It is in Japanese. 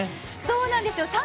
そうなんですよ。